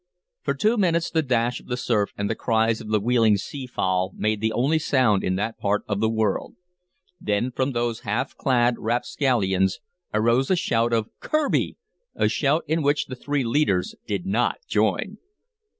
For two minutes the dash of the surf and the cries of the wheeling sea fowl made the only sound in that part of the world; then from those half clad rapscallions arose a shout of "Kirby!" a shout in which the three leaders did not join.